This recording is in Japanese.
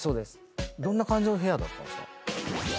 どんな感じの部屋だったんすか？